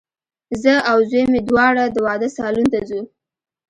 زه او زوی مي دواړه د واده سالون ته ځو